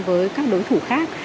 với các đối thủ khác